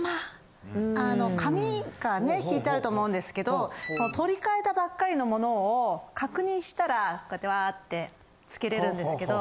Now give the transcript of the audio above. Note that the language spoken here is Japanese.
あの紙がね敷いてあると思うんですけどその取り替えたばっかりのモノを確認したらこうやってわぁってつけれるんですけど。